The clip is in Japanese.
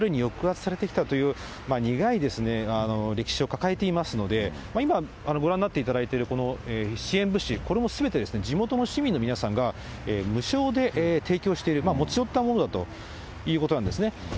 そうですね、やはり歴史的に、旧ソ連に抑圧されてきたという苦い歴史を抱えていますので、今、ご覧になっていただいている、この支援物資、これもすべて地元の市民の皆さんが、無償で提供している、持ち寄ったものだということなんですね。